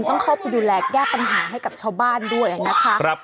ต้องเข้าไปดูแลแก้ปัญหาให้กับชาวบ้านด้วยนะคะ